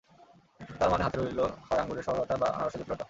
তার মানে হাতে রইলো হয় আঙ্গুরের সরলতা বা আনারসের জটিলতা।